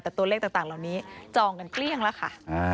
แต่ตัวเลขต่างเหล่านี้จองกันเกลี้ยงแล้วค่ะ